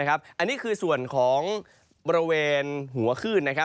อันนี้คือส่วนของบริเวณหัวคลื่น